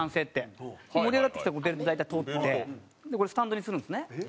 盛り上がってきたらベルト大体取ってこれスタンドにするんですね。